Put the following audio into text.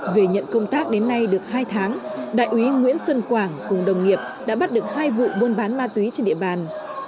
về nhận công tác đến nay được hai tháng đại úy nguyễn xuân quảng cùng đồng nghiệp đã bắt được hai vụ buôn bán ma túy trên địa bàn